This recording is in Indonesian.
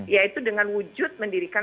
yaitu dengan wujud pendidikan